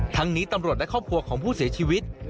นี้ตำรวจและครอบครัวของผู้เสียชีวิต